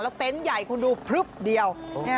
แล้วเต็นต์ใหญ่คุณดูเดียว